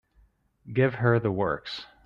Give her the works.